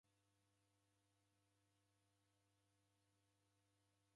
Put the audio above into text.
W'adaw'ana w'engi w'aw'ialola kazi.